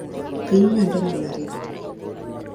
Piny medo mana ridore